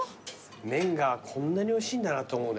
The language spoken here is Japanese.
麺がこんなにおいしいんだなと思うね。